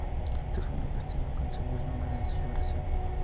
Este fenómeno festivo concedió el nombre a la celebración.